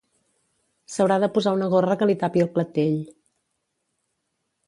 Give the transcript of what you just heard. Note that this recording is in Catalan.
S'haurà de posar una gorra que li tapi el clatell